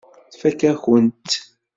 Tfakk-akent-tt.